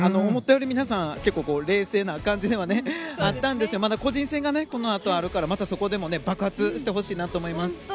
思ったより皆さん結構冷静な感じではあったんですがまだ個人戦がこのあとあるからそこでも爆発してほしいなと思います。